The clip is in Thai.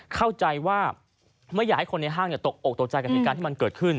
เข้าใจว่าไม่อยากให้คนในห้างตกอกตกใจกับเหตุการณ์ที่มันเกิดขึ้น